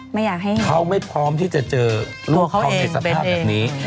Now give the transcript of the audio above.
เค้าไม่พร้อมที่จะเจอลูกเค้าในสภาพแบบนี้